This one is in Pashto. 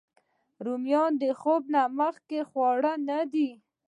رومیان د خوب نه مخکې خواړه نه دي